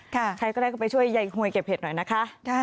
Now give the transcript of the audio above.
ใครก็ได้ก็ไปช่วยยายหวยเก็บเห็ดหน่อยนะคะ